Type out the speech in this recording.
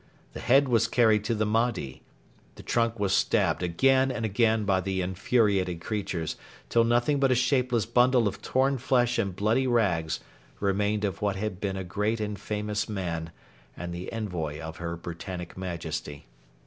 The head was carried to the Mahdi. The trunk was stabbed again and again by the infuriated creatures, till nothing but a shapeless bundle of torn flesh and bloody rags remained of what had been a great and famous man and the envoy of her Britannic Majesty.